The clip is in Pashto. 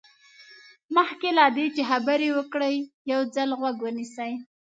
مخکې له دې چې خبرې وکړئ یو ځل غوږ ونیسئ.